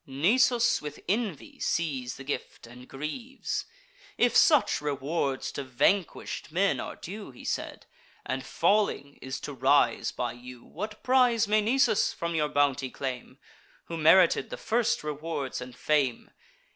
Nisus with envy sees the gift, and grieves. "If such rewards to vanquish'd men are due." He said, "and falling is to rise by you, What prize may Nisus from your bounty claim, Who merited the first rewards and fame?